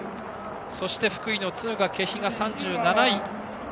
そして福井の敦賀気比が３７位。